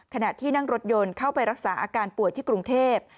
ขณะที่นั่งรถยนต์เข้าไปรักษาอาการป่วยที่กรุงเทพ